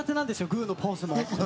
グーのポーズも。